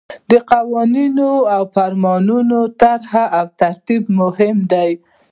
د قوانینو او فرمانونو طرح او ترتیب مهم دي.